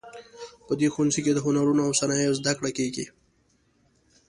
په دې ښوونځي کې د هنرونو او صنایعو زده کړه کیږي